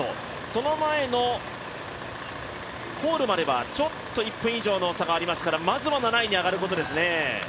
その前のホールまではちょっと１分以上の差がありますからまずは７位に上がることですね。